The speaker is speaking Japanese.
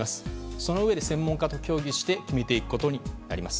そのうえで、専門家と協議して決めていくことになります。